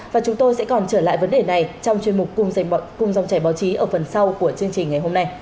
và chúng tôi sẽ còn trở lại vấn đề này trong chuyên mục cùng dòng chảy báo chí ở phần sau của chương trình ngày hôm nay